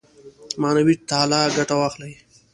معنوي تعالي ګټه واخلي.